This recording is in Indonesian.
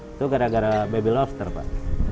itu gara gara baby lobster pak